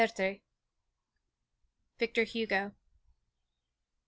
_Victor Hugo.